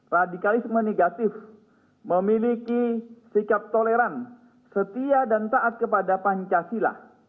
radikalisme negatif memiliki sikap toleran setia dan taat kepada pancasila